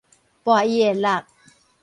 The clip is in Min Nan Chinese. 跋伊會落